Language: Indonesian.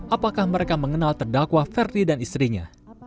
apakah mereka mengenal terdakwa ferdi dan istrinya